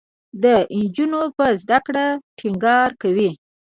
د نجونو په زده کړه ټینګار کوي.